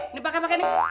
ini pakai pakai nih